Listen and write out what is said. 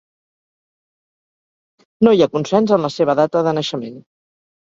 No hi ha consens en la seva data de naixement.